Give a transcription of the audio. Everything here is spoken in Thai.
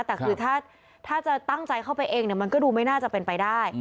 แต่คือถ้าจะตั้งใจเข้าไปเองมันก็ดูไม่น่าจะเป็นไปได้